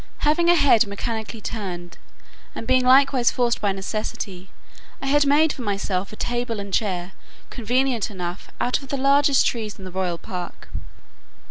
Having a head mechanically turned, and being likewise forced by necessity, I had made for myself a table and chair convenient enough, out of the largest trees in the royal park.